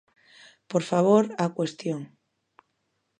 Por favor, á cuestión.